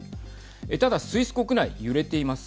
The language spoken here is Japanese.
ただ、スイス国内揺れています。